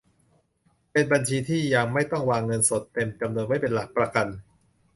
เป็นบัญชีที่ยังไม่ต้องวางเงินสดเต็มจำนวนไว้เป็นหลักประกัน